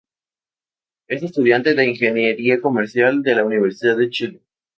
Es estudiante de ingeniería comercial de la Universidad de Chile.